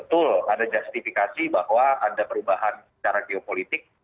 betul ada justifikasi bahwa ada perubahan secara geopolitik